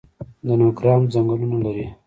د نورګرام ځنګلونه لري